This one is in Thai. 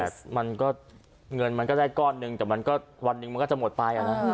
แต่เงินมันก็ได้ก้อนหนึ่งแต่วันนึงมันก็จะหมดไป